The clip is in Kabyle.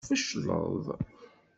Tfecleḍ.